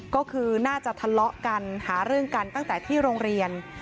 ก็คือน่าจะทะเลาะกันหาเรื่องกันตั้งแต่ที่โรงเรียน